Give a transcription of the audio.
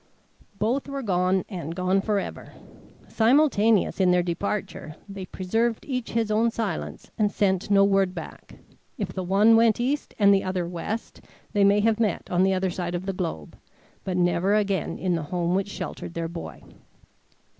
Both were gone, and gone forever. Simultaneous in their departure, they preserved each his own silence and sent no word back. If the one went East and the other West, they may have met on the other side of the globe, but never again in the home which sheltered their boy.